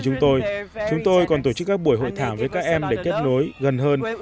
chúng tôi còn tổ chức các buổi hội thảo với các em để kết nối gần hơn